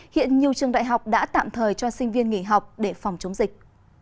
hiện nhiều trường đại học đã tạm thời cho sinh viên nghỉ học để phòng chống dịch